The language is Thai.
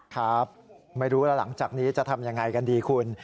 ครับไม่รู้แล้วหลังจากนี้จะทำยังไงกันดีคุณ